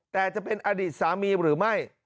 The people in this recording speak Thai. แต่จะเป็นอดีตสามีหรือไม่